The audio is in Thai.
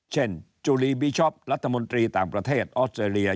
จุรีบิช็อปรัฐมนตรีต่างประเทศออสเตรเลีย